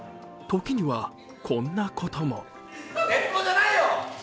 時にはこんなことも。